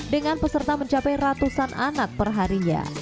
dengan peserta mencapai ratusan anak perharinya